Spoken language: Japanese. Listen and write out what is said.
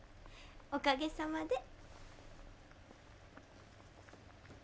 おかげさまで。